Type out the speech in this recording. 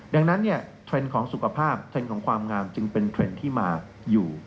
ดังนั้นเนี่ยเทรนด์ของสุขภาพเทรนด์ของความงามจึงเป็นเทรนด์ที่มาอยู่